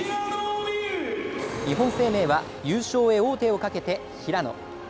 日本生命は、優勝へ王手をかけて平野。